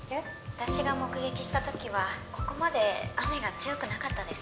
私が目撃したときはここまで雨が強くなかったです